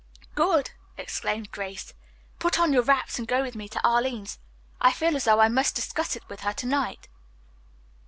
"Good!" exclaimed Grace. "Put on your wraps and go with me to Arline's. I feel as though I must discuss it with her to night."